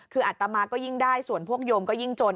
คืออัตมาก็ยิ่งได้ส่วนพวกโยมก็ยิ่งจน